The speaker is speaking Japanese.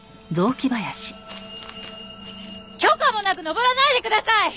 許可もなく登らないでください！